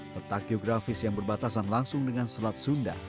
petak geografis yang berbatasan langsung dengan selat sunda